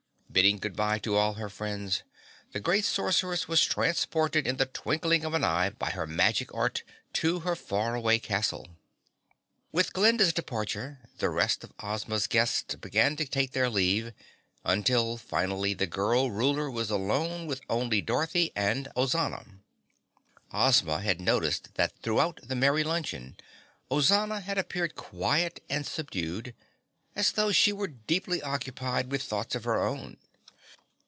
Bidding good bye to all her friends, the Great Sorceress was transported in the twinkling of an eye by her magic art to her far away Castle. With Glinda's departure the rest of Ozma's guests began to take their leave, until finally the Girl Ruler was alone with only Dorothy and Ozana. Ozma had noticed that throughout the merry luncheon, Ozana had appeared quiet and subdued, as though she were deeply occupied with thoughts of her own.